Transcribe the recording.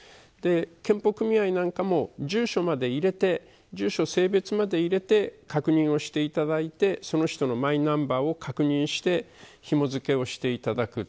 健保組合なんかも住所まで入れて住所、性別まで入れて確認をしていただいてその人のマイナンバーを確認してひも付けをしていただく。